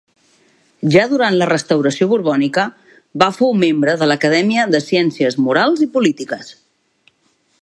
Ja durant la restauració borbònica, va fou membre de l'Acadèmia de Ciències Morals i Polítiques.